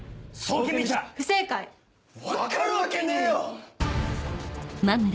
分かるわけねえよ！